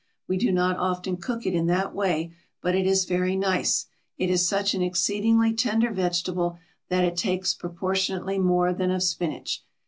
We do not often cook it in that way, but it is very nice; it is such an exceedingly tender vegetable that it takes proportionately more than of spinach.